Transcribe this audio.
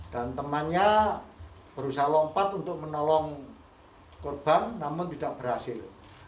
dan temannya berusaha lompat untuk menolong korban namun tidak berhasil